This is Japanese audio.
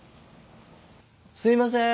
すいません